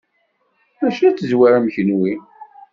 Mačči ad tezwarem kenwi.